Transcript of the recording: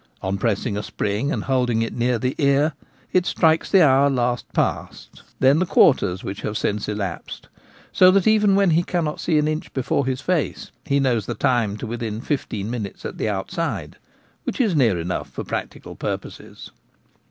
On pressing a spring and holding it near the ear, it strikes the hour last past, then the quarters which have since elapsed ; so that even when he cannot see an inch before his face he knows the time within fifteen minutes at the outside, which is near enough for practical purposes.